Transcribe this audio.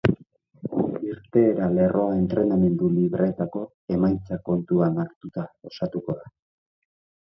Irteera lerroa entrenamendu libreetako emaitzak kontutan hartuta osatuko da.